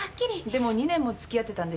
でも２年もつきあってたんでしょ？